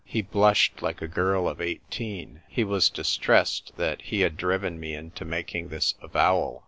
He blushed like a girl of eighteen. He was distressed that he had driven me into making this avowal.